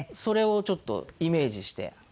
それをちょっとイメージして。